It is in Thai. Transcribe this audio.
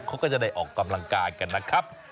เขาก็จะได้ออกกำลังกายกันนะครับ